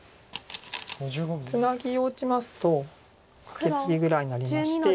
ツナギを打ちますとカケツギぐらいになりまして。